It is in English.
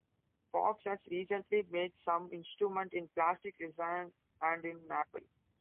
Fox has recently made some instruments in plastic resin and in maple.